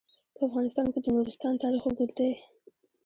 په افغانستان کې د نورستان تاریخ اوږد دی.